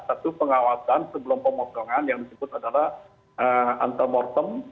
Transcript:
satu pengawasan sebelum pemotongan yang disebut adalah antemortem